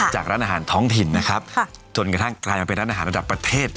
ร้านอาหารท้องถิ่นนะครับจนกระทั่งกลายมาเป็นร้านอาหารระดับประเทศ